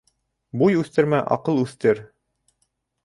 Буй үҫтермә, аҡыл үҫтер.